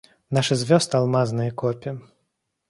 Наши звезд алмазные копи.